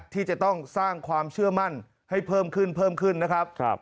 ที่จะต้องสร้างความเชื่อมั่นให้เพิ่มขึ้นเพิ่มขึ้นนะครับ